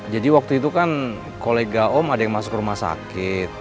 jadi waktu itu kan kolega om ada yang masuk rumah sakit